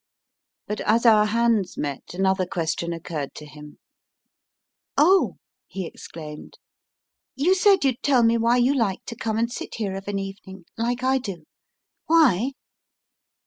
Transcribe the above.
But as our hands met another question occurred to him. Oh, he exclaimed, * you said you d tell me why you likecl to come and sit here of an evening, like I do. Why